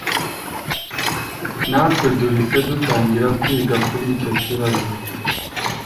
natwe duhise dutangira kwiga kuricyo kibazo